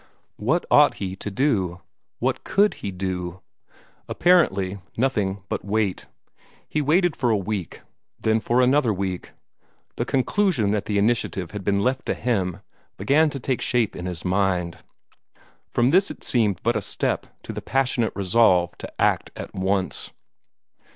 What ought he to do? What COULD he do? Apparently, nothing but wait. He waited for a week then for another week. The conclusion that the initiative had been left to him began to take shape in his mind. From this it seemed but a step to the passionate resolve to act at once.